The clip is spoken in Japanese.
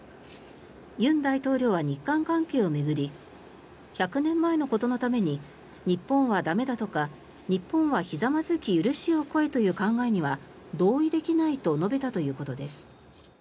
尹大統領は日韓関係を巡り１００年前のことのために日本は駄目だとか日本はひざまずき許しを請えという考えには同意できないと述べたということです。